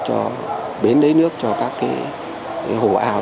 cho các hồ ao